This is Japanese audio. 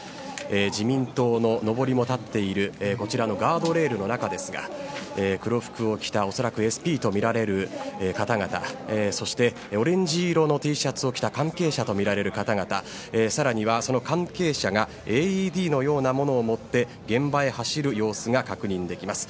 自民党ののぼりも立っているこちらのガードレールの中ですが黒服を着た恐らくＳＰと思われる方々そしてオレンジ色のＴシャツを着た関係者とみられる方々更にはその関係者がＡＥＤのようなものを持って現場へ走る様子が確認できます。